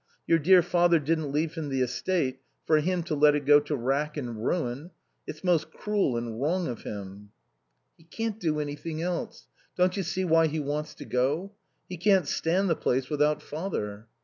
Your dear father didn't leave him the estate for him to let it go to wrack and ruin. It's most cruel and wrong of him." "He can't do anything else. Don't you see why he wants to go? He can't stand the place without Father."